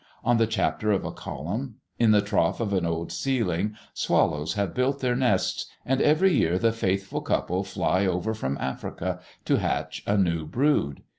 On the chapter of a column, in the trough of an old ceiling, swallows have built their nests, and every year the faithful couple fly over from Africa to hatch a new brood.